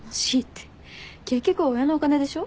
結局親のお金でしょ？